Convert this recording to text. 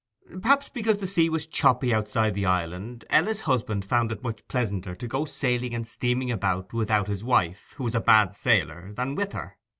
Perhaps because the sea was choppy outside the Island, Ella's husband found it much pleasanter to go sailing and steaming about without his wife, who was a bad sailor, than with her.